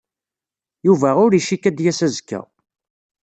Yuba ur icikk ad d-yas azekka.